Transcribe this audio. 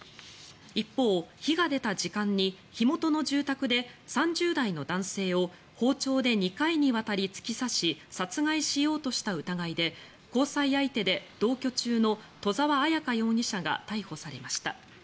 一方、火が出た時間に火元の住宅で３０代の男性を包丁で２回にわたり突き刺し殺害しようとした疑いで交際相手で同居中の戸澤彩香容疑者が逮捕されました。